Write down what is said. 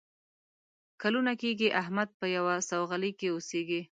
کلونه کېږي احمد په یوه سوغلۍ کې اوسېږي.